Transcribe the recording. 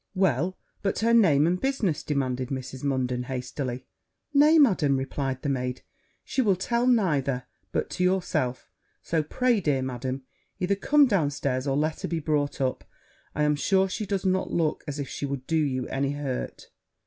'Well, but her name and business,' demanded Mrs. Munden hastily. 'Nay, Madam,' replied the maid, 'she will tell neither but to yourself; so, pray, dear Madam, either come down stairs, or let her be brought up: I am sure she does not look as if she would do you any hurt.'